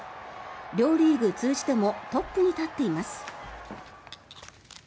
両リーグ通じてもトップに立っています。